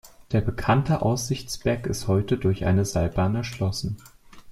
Der bekannte Aussichtsberg ist heute durch eine Seilbahn erschlossen.